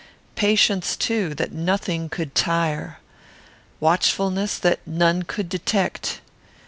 Patience, too, that nothing could tire. Watchfulness that none could detect.